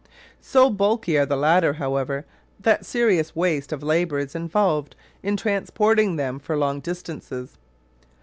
So bulky are the latter, however, that serious waste of labour is involved in transporting them for long distances.